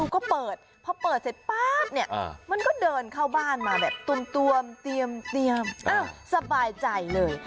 เขาเข้าบ้านมาแบบตวมเตรียมสบายใจเลย